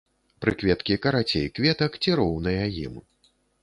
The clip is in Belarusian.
Прыкветкі карацей кветак ці роўныя ім.